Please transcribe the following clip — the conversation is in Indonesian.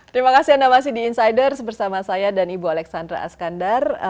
terima kasih anda masih di insiders bersama saya dan ibu alexandra askandar